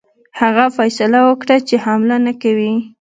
هغه فیصله وکړه چې حمله نه کوي.